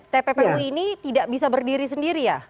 tppu ini tidak bisa berdiri sendiri ya